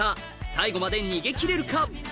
最後まで逃げ切れるか？